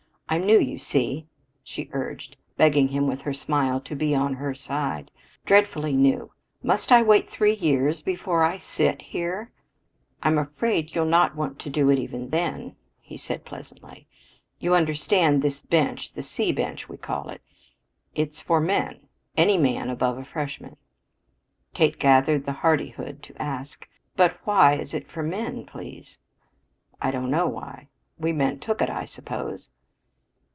"I'm new, you see," she urged, begging him with her smile to be on her side, "dreadfully new! Must I wait three years before I sit here?" "I'm afraid you'll not want to do it even then," he said pleasantly. "You understand this bench the C bench we call it is for men; any man above a freshman." Kate gathered the hardihood to ask: "But why is it for men, please?" "I don't know why. We men took it, I suppose."